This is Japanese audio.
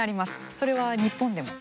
それは日本でも。